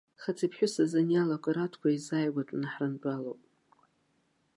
Хаҵеи-ԥҳәыси зыниало акрауаҭқәа еизааигәатәны ҳрынтәалоуп.